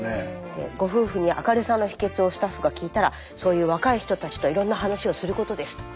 でご夫婦に明るさの秘けつをスタッフが聞いたら「そういう若い人たちといろんな話をすることです」とおっしゃっていました。